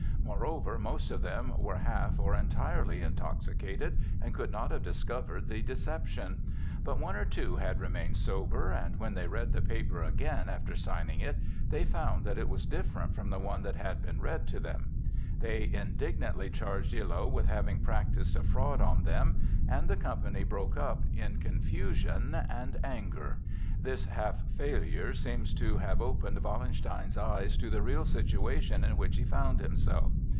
Moreover, most of them were half or entirely intoxicated and could not have discovered the deception; but one or two had remained sober, and when they read the paper again before signing it, they found that it was different from the one which had been read to them. They indignantly charged Illo with having practised a fraud on them, and the company broke up in confusion and anger. This half failure seems to have opened Wallenstein's eyes to the real situation in which he found himself.